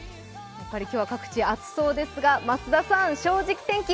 各地今日は暑そうですが増田さん「正直天気」